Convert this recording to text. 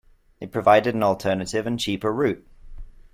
It provided an alternative and cheaper route.